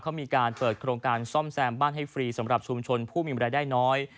เขามีการเปิดโครงการซ่อมแซมบ้านให้ฟรีสำหรับชุมชนผู้มีรายได้น้อย